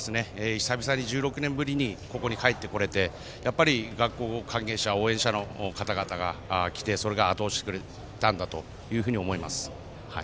久々に１６年ぶりにここに帰ってこられて学校関係者、応援の方々が来てそれがあと押ししてくれたと思います。